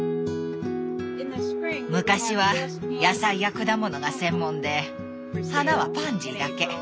昔は野菜や果物が専門で花はパンジーだけ。